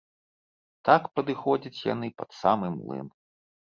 Так падыходзяць яны пад самы млын.